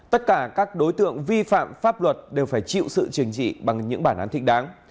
tất cả các đối tượng vi phạm pháp luật đều phải chịu sự trình trị bằng những bản án thích đáng